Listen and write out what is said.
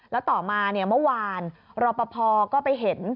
แล้วต่อมาเนี่ยเมื่อวานรอปภก็ไปเห็น